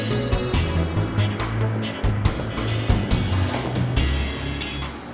kepuasan pelanggan kebahagiaan kami